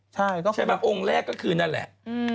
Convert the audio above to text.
ใช่ใช่ไหมองค์แรกก็คือนั่นแหละ